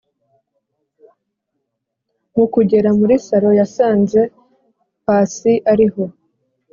mukugera muri salo yasanze pasi ariho